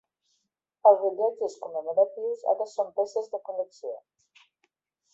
Els rellotges commemoratius ara són peces de col·lecció.